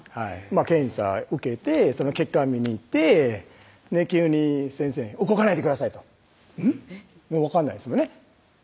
検査受けてその結果を見に行って急に先生「動かないでください」とえっ？分かんないですよね